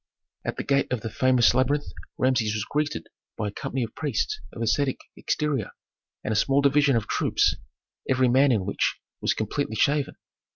At the gate of the famous labyrinth Rameses was greeted by a company of priests of ascetic exterior, and a small division of troops, every man in which was completely shaven.